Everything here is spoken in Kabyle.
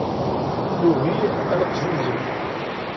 Nugi ad neqzuzem.